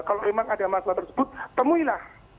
kalau memang ada masalah tersebut temuin lah